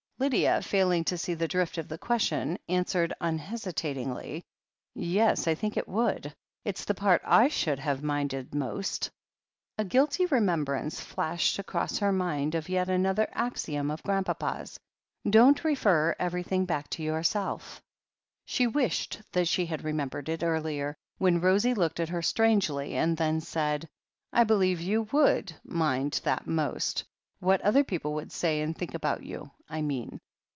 Lydia, failing to see the drift of the question, an swered unhesitatingly : "Yes, I think it would. It's the part / should have minded most." A guilty remembrance flashed across her mind of yet another axiom of Grandpapa's — "Don't refer every thing back to yourself." THE HEEL OF ACHILLES 171 She wished that she had remembered it earlier, when Rosie looked at her strangely, and then said : "I believe you would mind that most — ^what other people would say and think about you, I mean.